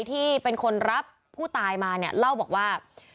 ที่เป็นคนรับผู้ตายมาเนี่ยเล่าบอกว่า